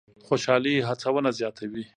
خوشالي هڅونه زیاتوي.